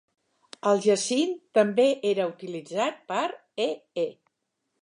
El jacint també era utilitzat per e.e.